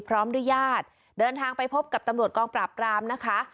พร้อมด้วยญาติเดินทางไปพบกับตำรวจกองปราบปรามนะคะ